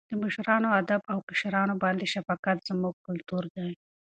د مشرانو ادب او کشرانو باندې شفقت زموږ کلتور دی.